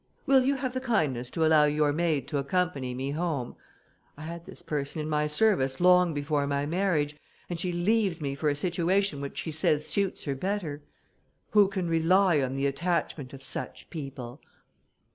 Will you have the kindness to allow your maid to accompany me home? I had this person in my service long before my marriage, and she leaves me for a situation which she says suits her better. Who can rely on the attachment of such people?"